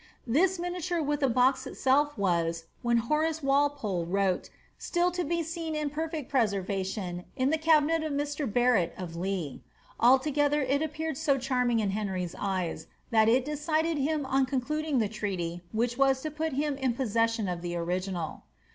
This miniature with the box itself was, when Horace Watpole wrote,' still to be seen in per fect preservation in the cabinet of Mr. Barrett of Lee. Altogeth«r it appeared so charming in Henry's eyes, that it decided him on concluding the treaty which was to put him in possession of the original.